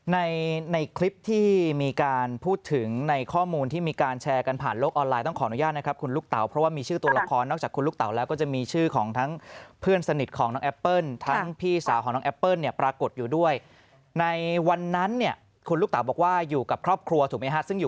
ในในคลิปที่มีการพูดถึงในข้อมูลที่มีการแชร์กันผ่านโลกออนไลน์ต้องขออนุญาตนะครับคุณลูกเต๋าเพราะว่ามีชื่อตัวละครนอกจากคุณลูกเต๋าแล้วก็จะมีชื่อของทั้งเพื่อนสนิทของน้องแอปเปิ้ลทั้งพี่สาวของน้องแอปเปิ้ลเนี่ยปรากฏอยู่ด้วยในวันนั้นเนี่ยคุณลูกเต๋าบอกว่าอยู่กับครอบครัวถูกไหมฮะซึ่งอยู่